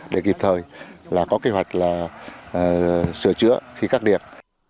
để kịp thời có kế hoạch sửa chữa khi cắt điện